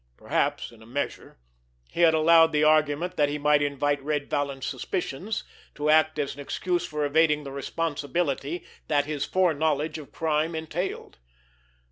Perhaps, in a measure, he had allowed the argument that he might invite Red Vallon's suspicions to act as an excuse for evading the responsibility that this foreknowledge of crime entailed....